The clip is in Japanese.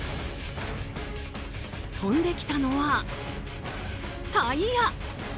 飛んできたのは、タイヤ！